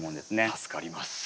助かります。